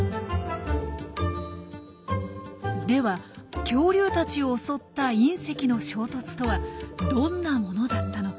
では恐竜たちを襲った隕石の衝突とはどんなものだったのか？